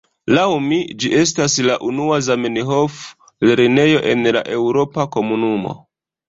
Laŭ mi, ĝi estas la unua Zamenhof-lernejo en la Eŭropa Komunumo.